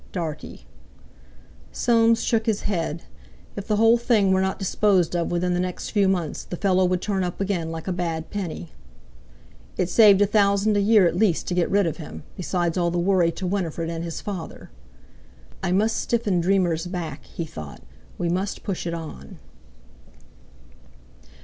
Dartie." Soames shook his head. If the whole thing were not disposed of within the next few months the fellow would turn up again like a bad penny. It saved a thousand a year at least to get rid of him, besides all the worry to Winifred and his father. "I must stiffen Dreamer's back," he thought; "we must push it on."